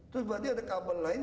terus berarti ada kabel lain